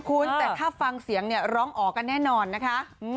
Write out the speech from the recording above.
คุณแต่ถ้าฟังเสียงเนี่ยร้องอ๋อกันแน่นอนนะคะ